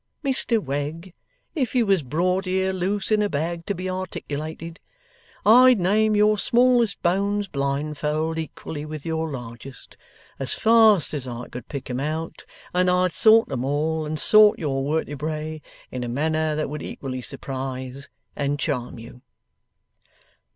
Mr Wegg, if you was brought here loose in a bag to be articulated, I'd name your smallest bones blindfold equally with your largest, as fast as I could pick 'em out, and I'd sort 'em all, and sort your wertebrae, in a manner that would equally surprise and charm you.